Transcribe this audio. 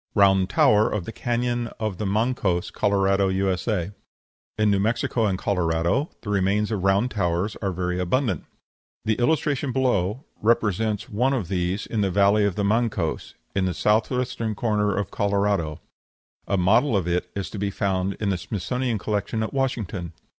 ROUND TOWER OF THE CANYON OF THE MANCOS, COLORADO, U.S. In New Mexico and Colorado the remains of round towers are very abundant. The illustration below represents one of these in the valley of the Mancos, in the south western corner of Colorado. A model of it is to be found in the Smithsonian collection at Washington.